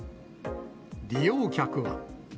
利用客は。